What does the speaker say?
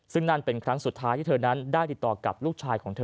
ซึ่งนั่นเป็นครั้งสุดท้ายที่เธอนั้นได้ติดต่อกับลูกชายของเธอ